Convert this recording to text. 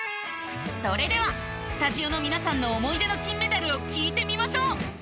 それではスタジオの皆さんの思い出の金メダルを聞いてみましょう。